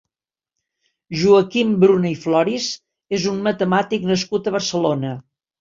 Joaquim Bruna i Floris és un matemàtic nascut a Barcelona.